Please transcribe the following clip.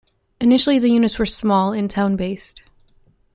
Initially the units were small and town-based.